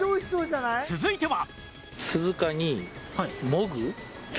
続いては。